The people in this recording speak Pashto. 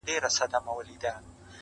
نسته څوک د رنځ طبیب نه د چا د زړه حبیب!!